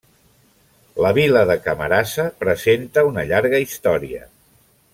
La vila de Camarasa presenta una llarga història.